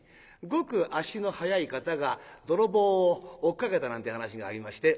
ごく足の速い方が泥棒を追っかけたなんて噺がありまして。